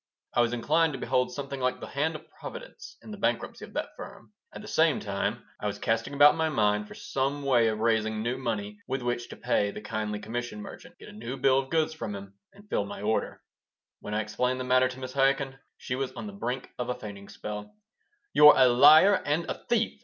I was inclined to behold something like the hand of Providence in the bankruptcy of that firm. At the same time I was casting about in my mind for some way of raising new money with which to pay the kindly commission merchant, get a new bill of goods from him, and fill my new order. When I explained the matter to Mrs. Chaikin she was on the brink of a fainting spell "You're a liar and a thief!"